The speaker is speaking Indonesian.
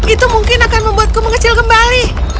itu mungkin akan membuatku mengecil kembali